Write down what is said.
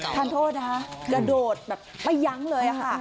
ทานโทษนะคะกระโดดแบบไม่ยั้งเลยค่ะ